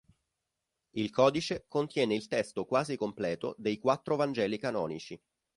Il codice contiene il testo quasi completo dei quattro Vangeli canonici.